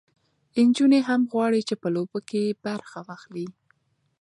نجونې هم غواړي چې په لوبو کې برخه واخلي.